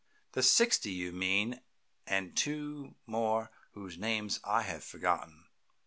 "The sixty you mean and two more whose names I have forgotten."